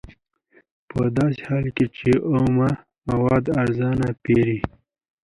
په داسې حال کې چې اومه مواد ارزانه پېري